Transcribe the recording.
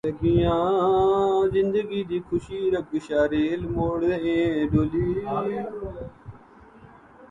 زندگی خوشی رکشا ریل موٹریں ڈولی